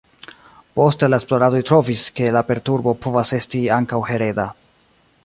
Poste la esploradoj trovis, ke la perturbo povas esti ankaŭ hereda.